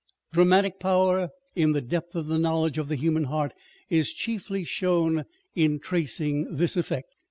Dramatic power in the depth of the knowledge of the human heart, is chiefly shown in tracing this effect.